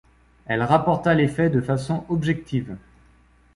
Elle rapporta les faits de façon objective.